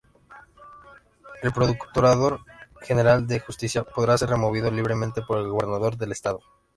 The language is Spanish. El Procurador General de Justicia podrá ser removido libremente por el Gobernador del Estado.